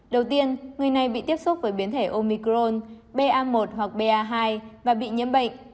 đầu tiên người này bị tiếp xúc với biến thể omicron ba một hoặc ba và bị nhiễm bệnh